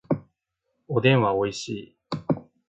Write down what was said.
おでんはおいしい